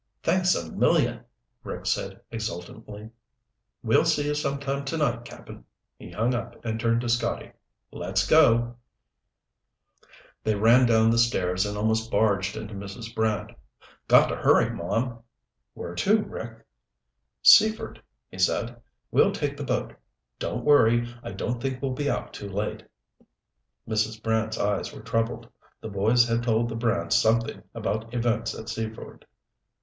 "Thanks a million," Rick said exultantly. "We'll see you sometime tonight, Cap'n." He hung up and turned to Scotty. "Let's go!" They ran down the stairs and almost barged into Mrs. Brant. "Got to hurry, Mom." "Where to, Rick?" "Seaford," he said. "We'll take the boat. Don't worry, I don't think we'll be out too late." Mrs. Brant's eyes were troubled. The boys had told the Brants something about events at Seaford.